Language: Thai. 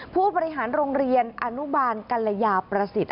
ผู้บริหารโรงเรียนอนุบาลกัลยาประสิทธิ์